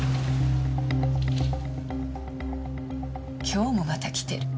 今日もまた来てる。